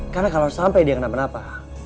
karena kalau sampai dia kena penapa